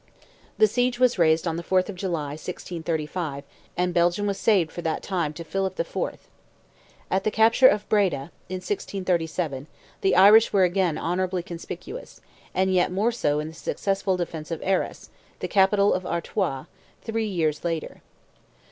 The siege was raised on the 4th of July, 1635, and Belgium was saved for that time to Philip IV. At the capture of Breda, in 1637, the Irish were again honourably conspicuous, and yet more so in the successful defence of Arras, the capital of Artois, three years later.